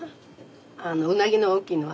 あのウナギの大きいのは。